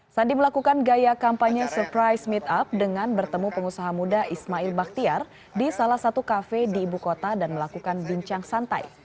sandi melakukan gaya kampanye surprise meet up dengan bertemu pengusaha muda ismail baktiar di salah satu kafe di ibu kota dan melakukan bincang santai